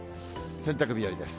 洗濯日和です。